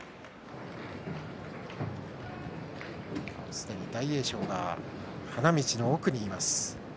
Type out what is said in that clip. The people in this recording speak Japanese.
すでに大栄翔が花道の奥にいます。